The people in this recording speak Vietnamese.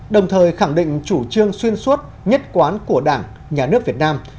đồng thời khẳng định chủ trương xuyên suốt nhất quán của đảng nhà nước việt nam